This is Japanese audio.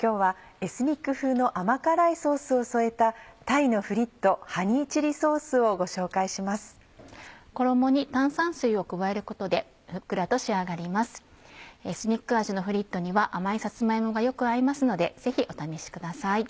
エスニック味のフリットには甘いさつま芋がよく合いますのでぜひお試しください。